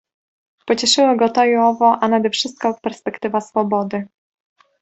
Pocieszyło go to i owo, a nade wszystko perspektywa swobody.